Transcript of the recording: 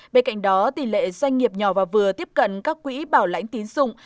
bên cạnh đó tỷ lệ doanh nghiệp nhỏ và vừa tiếp cận các quỹ bảo lãnh tín dụng